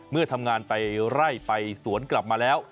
เมื่อทำงานไปไล่ไปสวนกลับมาแล้ว